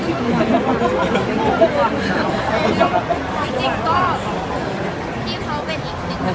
ช่องความหล่อของพี่ต้องการอันนี้นะครับ